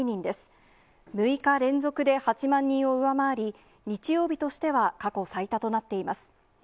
６日連続で８万人を上回り、日曜日としては過去最多となっています。